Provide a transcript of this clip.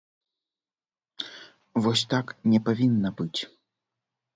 Вось так не павінна быць.